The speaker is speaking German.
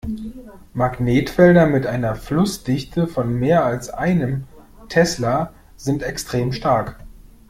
Magnetfelder mit einer Flussdichte von mehr als einem Tesla sind extrem stark.